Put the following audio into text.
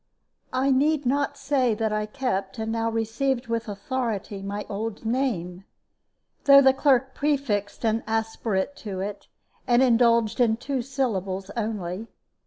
I need not say that I kept, and now received with authority, my old name; though the clerk prefixed an aspirate to it, and indulged in two syllables only.